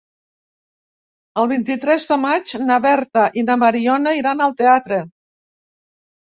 El vint-i-tres de maig na Berta i na Mariona iran al teatre.